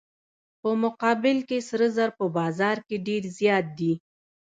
په مقابل کې سره زر په بازار کې ډیر زیات دي.